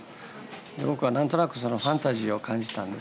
僕は何となくファンタジーを感じたんです。